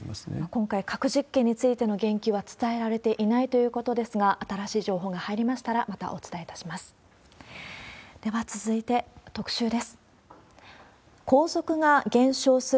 今回、核実験についての言及は伝えられていないということですが、新しい情報が入りましたら、またお伝えいたします。